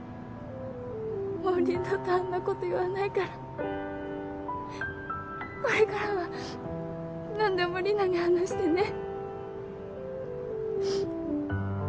もう二度とあんなこと言わないからこれからはなんでもリナに話してね。